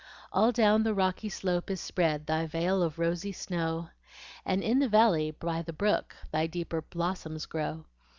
All down the rocky slope is spread Thy veil of rosy snow, And in the valley by the brook, Thy deeper blossoms grow.